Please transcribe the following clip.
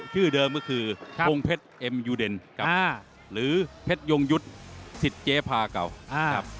ชื่อเดิมก็คือพงเพชรเอ็มยูเดนหรือเพชรยงยุทธ์สิทธิเจพาเก่าครับ